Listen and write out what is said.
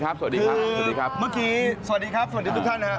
ใช่ค่ะสวัสดีครับคือเมื่อกี้สวัสดีครับทุกท่านนะครับ